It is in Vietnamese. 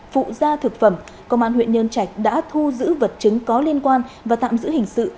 phụ gia thực phẩm công an huyện nhân trạch đã thu giữ vật chứng có liên quan và tạm giữ hình sự